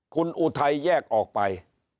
คุณอุทัยแยกออกไป